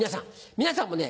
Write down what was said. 皆さんもね